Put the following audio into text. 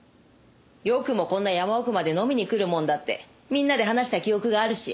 よくもこんな山奥まで飲みに来るもんだってみんなで話した記憶があるし。